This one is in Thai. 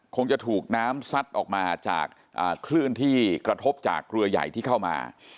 คงจะถูกน้ำซัดออกมาจากคลื่นที่กระทบจากเรือใหญ่ที่เข้ามา